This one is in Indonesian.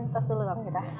terus dulu mbak prita